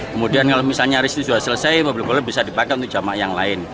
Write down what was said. kemudian kalau misalnya risk itu sudah selesai mobil boleh bisa dipakai untuk jamaah yang lain